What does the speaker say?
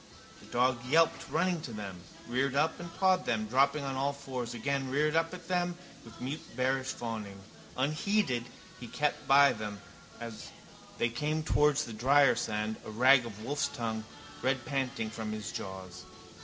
The dog yelped running to them, reared up and pawed them, dropping on all fours, again reared up at them with mute bearish fawning. Unheeded he kept by them as they came towards the drier sand, a rag of wolf's tongue redpanting from his jaws.